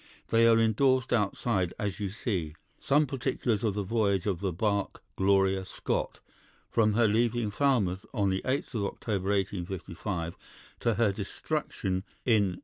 They are endorsed outside, as you see, 'Some particulars of the voyage of the bark Gloria Scott, from her leaving Falmouth on the 8th October, 1855, to her destruction in N.